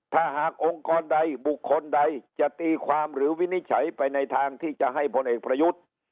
ถ้าหากองค์กรใดบุคคลใดจะตีความหรือวินิจฉัยไปในทางที่จะให้พลเอกประยุทธ์